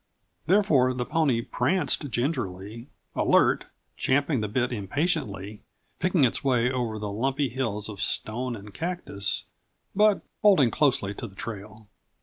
Therefore, the pony pranced gingerly, alert, champing the bit impatiently, picking its way over the lumpy hills of stone and cactus, but holding closely to the trail.